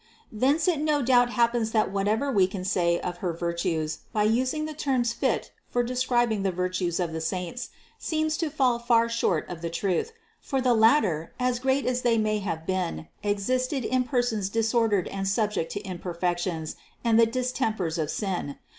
Thence it no doubt happens that whatever we can say of her virtues by using the terms fit for describing the vir 452 CITY OF GOD tues of the saints, seems to fall far short of the truth; for the latter, as great as they may have been, existed in persons disordered and subject to imperfections and the distempers of sin.